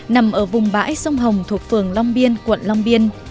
nằm ở vùng bãi sông hồng thuộc phường long biên quận long biên